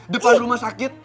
depan rumah sakit